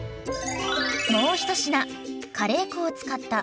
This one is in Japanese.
もう一品。